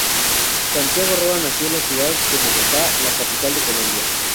Santiago Roa nació en la ciudad de Bogotá, la capital de Colombia.